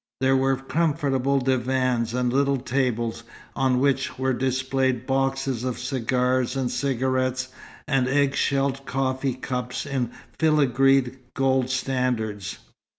There were comfortable divans, and little tables, on which were displayed boxes of cigars and cigarettes, and egg shell coffee cups in filigree gold standards.